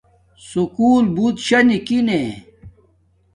سکُول بوت شاہ نیکی نے